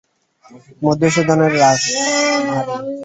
মধুসূদনের রাশ ভারী।